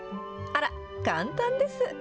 あら、簡単です。